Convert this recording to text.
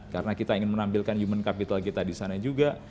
karena kita ingin menampilkan human capital kita di sana juga